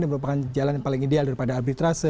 ini merupakan jalan yang paling ideal daripada arbitrase